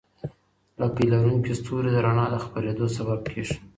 لکۍ لرونکي ستوري د رڼا د خپرېدو سبب کېږي.